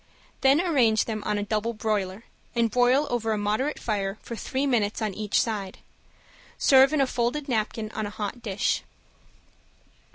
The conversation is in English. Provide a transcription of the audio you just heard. Then arrange them on a double broiler, and broil over a moderate fire for three minutes on each side. Serve in a folded napkin on a hot dish.